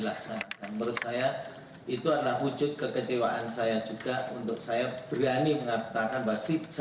dan saya berikan bahwa itu kemenangan ada di bpjs